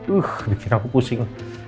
uf buat aku pusing